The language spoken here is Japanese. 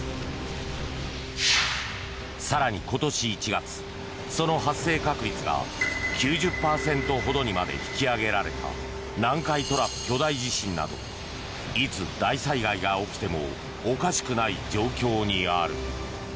更に、今年１月その発生確率が９０％ほどにまで引き上げられた南海トラフ巨大地震などいつ、大災害が起きてもおかしくない状況にある。